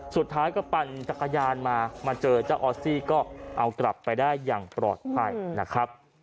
สุดท้ายก็ปั่นจักรยานมามาเจอเจ้าออสซี่ก็เอากลับไปได้อย่างปลอดภัยนะครับ